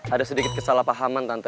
ada sedikit kesalahpahaman tante